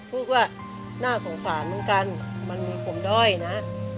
พูดว่าน่าสงสารเหมือนกันมันมีปมด้อยนะ